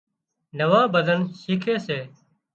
نوان ڀزن شيکي سي